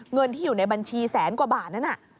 เงินที่อยู่ในบัญชีแสนกว่าบาทนั้น